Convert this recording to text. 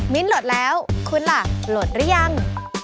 มินทร์หลดแล้วคุณล่ะหลดหรือยัง